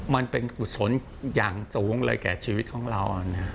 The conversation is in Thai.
มันเป็นกุศลอย่างสูงเลยแก่ชีวิตของเรา